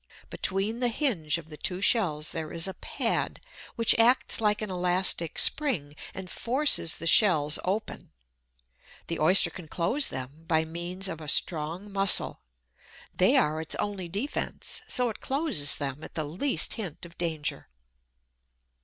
Between the hinge of the two shells there is a pad, which acts like an elastic spring, and forces the shells open. The Oyster can close them by means of a strong muscle. They are its only defence, so it closes them at the least hint of danger.